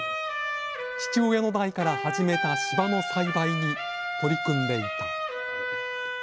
父親の代から始めた芝の栽培に取り組んでいた。